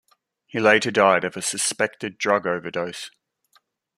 He later died of a suspected drug overdose.